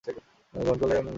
গ্রহণ করলে আনন্দিত হব।